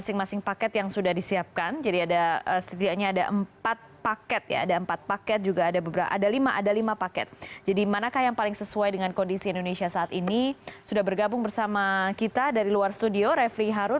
iya mas refli sebelum kita beda satu